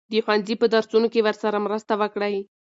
د ښوونځي په درسونو کې ورسره مرسته وکړئ.